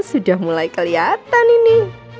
sudah mulai kelihatan ini